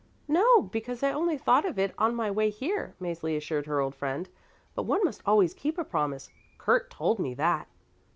"No, because I only thought of it on my way here," Mäzli assured her old friend. "But one must always keep a promise; Kurt told me that."